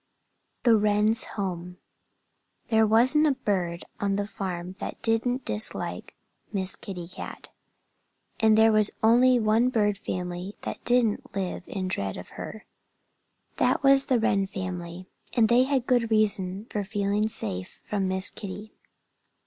XI THE WRENS' HOME THERE wasn't a bird on the farm that didn't dislike Miss Kitty Cat. And there was only one bird family that didn't live in dread of her. That was the Wren family. And they had a good reason for feeling safe from Miss Kitty.